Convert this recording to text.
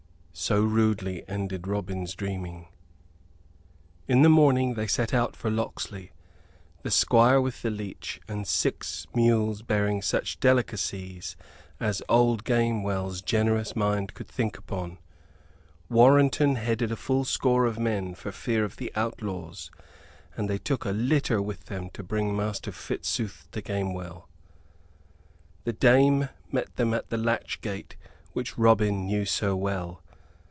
So rudely ended Robin's dreaming. In the morning they set out for Locksley; the Squire with the leech, and six mules bearing such delicacies as old Gamewell's generous mind could think upon. Warrenton headed a full score of men, for fear of the outlaws; and they took a litter with them to bring Master Fitzooth to Gamewell. The dame met them at the latch gate which Robin knew so well.